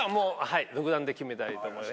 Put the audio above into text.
独断で決めたいと思います！